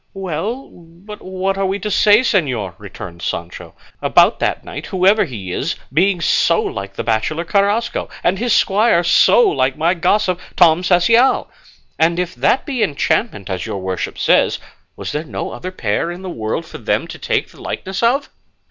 "Well, but what are we to say, señor," returned Sancho, "about that knight, whoever he is, being so like the bachelor Carrasco, and his squire so like my gossip, Tom Cecial? And if that be enchantment, as your worship says, was there no other pair in the world for them to take the likeness of?"